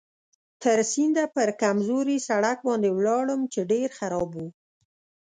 تر سینده پر کمزوري سړک باندې ولاړم چې ډېر خراب و.